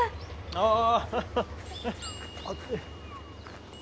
ああ。